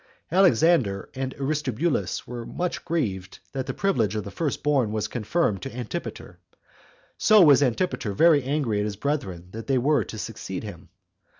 Alexander and Aristobulus were much grieved that the privilege of the first born was confirmed to Antipater; as was Antipater very angry at his brethren that they were to succeed him.